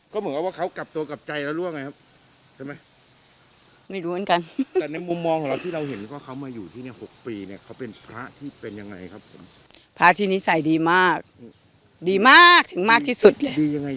ก็เหมือนกับว่าเขากลับตัวกลับใจแล้วร่วงไงครับใช่ไหมไม่รู้เหมือนกันแต่ในมุมมองของเราที่เราเห็นว่าเขามาอยู่ที่เนี้ยหกปีเนี่ยเขาเป็นพระที่เป็นยังไงครับผมพระที่นิสัยดีมากดีมากถึงมากที่สุดเลยคือยังไง